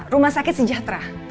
rumah sakit sejahtera